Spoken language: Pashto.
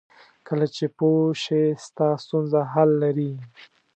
کله چې پوه شې ستا ستونزه حل لري.